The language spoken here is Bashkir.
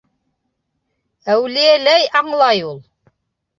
Әүлиәләй аңлай ул.